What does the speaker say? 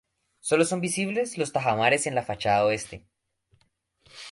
Solo son visibles los tajamares en la fachada oeste.